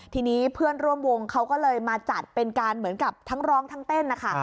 ทีนี้เพื่อนร่วมวงเขาก็เลยมาจัดเป็นการเหมือนกับทั้งร้องทั้งเต้นนะคะ